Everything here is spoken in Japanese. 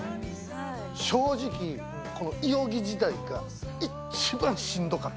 正直、この井荻時代が一番しんどかった。